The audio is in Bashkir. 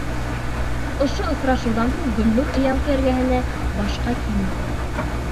Ошо осрашыуҙан һуң Гөлнур өйәңке эргәһенә башҡа килмәне.